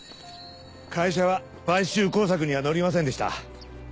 会社は買収工作にはのりませんでした。